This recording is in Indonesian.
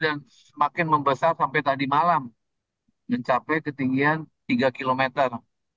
dan semakin membesar sampai tadi malam mencapai ketinggian tiga kilometer